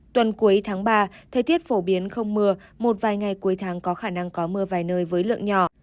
tuần cuối tháng ba thời tiết phổ biến không mưa một vài ngày cuối tháng có khả năng có mưa vài nơi với lượng nhỏ